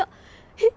えっ？